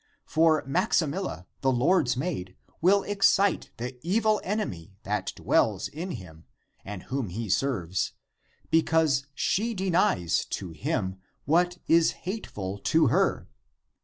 For Maximilla, the Lord's maid, will excite the evil enemy that dwells in him and whom he serves, be cause she denies to him what is hateful to her.